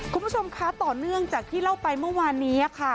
คุณผู้ชมคะต่อเนื่องจากที่เล่าไปเมื่อวานนี้ค่ะ